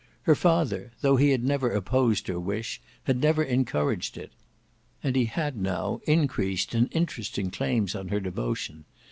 Her father, though he had never opposed her wish, had never encouraged it; and he had now increased and interesting claims on her devotion.